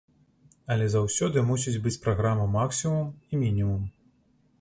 Але заўсёды мусіць быць праграма максімум і мінімум.